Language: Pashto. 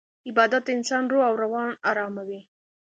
عبادت د انسان روح او روان اراموي.